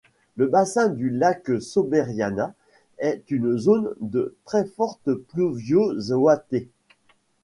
Le bassin du lac Soberanía est une zone de très forte pluviosoité.